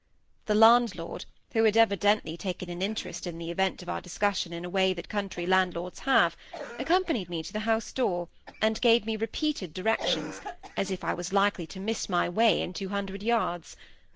The landlord, who had evidently taken an interest in the event of our discussion in a way that country landlords have, accompanied me to the house door, and gave me repeated directions, as if I was likely to miss my way in two hundred yards.